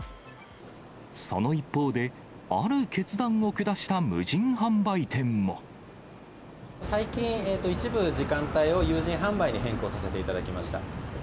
その一方で、最近、一部時間帯を有人販売に変更させていただきました。